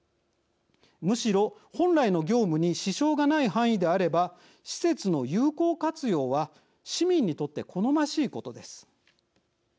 むしろ本来の業務に支障がない範囲であれば施設の有効活用は市民にとって好ましいことです。